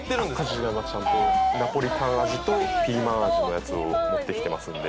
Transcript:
味はちゃんとナポリタン味とピーマン味のやつを持ってきてますので。